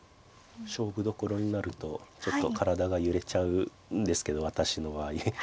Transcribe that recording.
勝負どころになるとちょっと体が揺れちゃうんですけど私の場合。